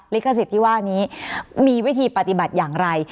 ลิขสิทธิ์ที่ว่านี้มีวิธีปฏิบัติอย่างไร